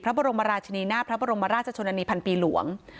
พระบรมราชนีนาพระบรมราชชนนานีพันปีหลวง